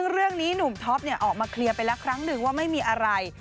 เรื่องนี้หนุ่มท็อปออกมาเคลียร์ไปแล้วครั้งหนึ่งว่าไม่มีอะไร